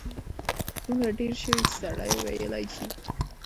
دومره ډېر شوي چې سړی ویلای شي.